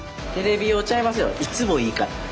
いつもいいから。